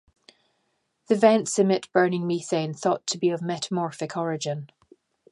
The vents emit burning methane thought to be of metamorphic origin.